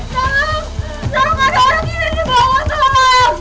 jalur corporation di bawah